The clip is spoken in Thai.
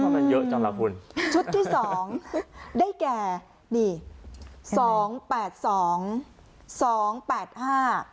มันเยอะจังล่ะคุณชุดที่สองได้แก่นี่สองแปดสองสองแปดห้า